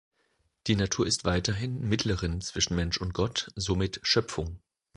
Die Natur ist weiterhin Mittlerin zwischen Mensch und Gott, somit Schöpfung.